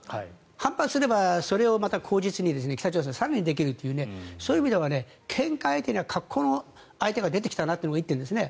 反発すれば、それをまた口実に北朝鮮はまた更にできるというそういう意味ではけんか相手には格好の相手が出てきたというのが１点ですね。